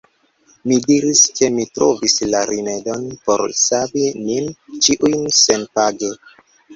Mi diris, ke mi trovis la rimedon por savi nin ĉiujn senpage.